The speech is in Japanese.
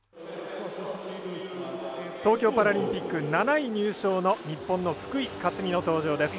東京パラリンピック７位入賞の日本の福井香澄の登場です。